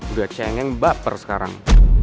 udah cengeng baper sekarang